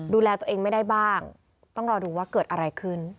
ดูแลตัวเองไม่ได้บ้างต้องรอดูว่าเกิดอะไรขึ้น